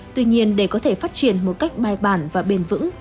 tuy nhiên để có thể phát triển một cách bài bản và bền vững